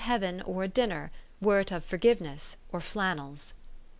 289 Heaven or a dinner, were it of forgiveness or flan nels.